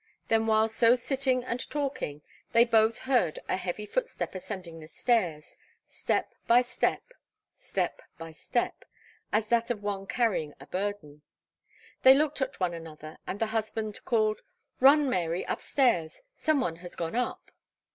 Then, while so sitting and talking, they both heard a heavy footstep ascending the stairs, step by step, step by step, as that of one carrying a burden. They looked at one another, and the husband called, "Run, Mary, upstairs; some one has gone up."